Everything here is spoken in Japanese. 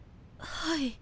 はい。